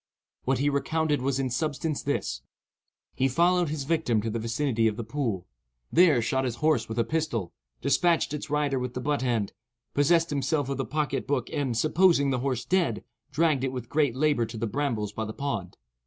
What he recounted was in substance this:—He followed his victim to the vicinity of the pool; there shot his horse with a pistol; despatched its rider with the butt end; possessed himself of the pocket book; and, supposing the horse dead, dragged it with great labour to the brambles by the pond.